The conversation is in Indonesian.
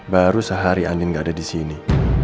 baru sehari andin gak ada disini